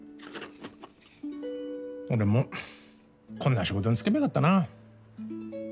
俺もこんな仕事に就けばよかったな。